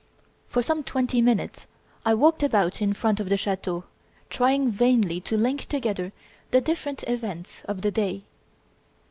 For some twenty minutes I walked about in front of the chateau, trying vainly to link together the different events of the day.